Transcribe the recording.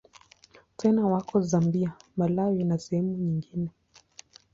Tena wako Zambia, Malawi na sehemu nyingine.